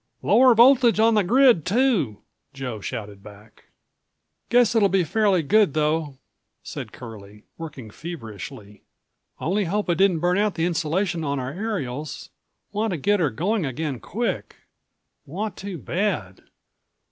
"Lower voltage on the grid, too," Joe shouted back.186 "Guess it'll be fairly good, though," said Curlie, working feverishly. "Only hope it didn't burn out the insulation on our aerials. Want to get her going again quick. Want to bad.